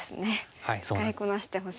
使いこなしてほしいですね。